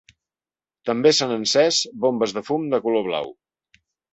També s’han encès bombes de fum de color blau.